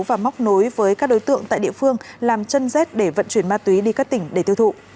và móc nối với các đối tượng tại địa phương làm chân dết để vận chuyển ma túy đi các tỉnh để tiêu thụ